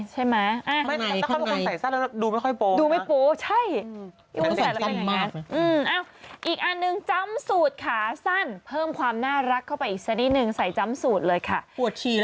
ต้องใส่กระโปรงสั้นถึงสวยใช่ไหม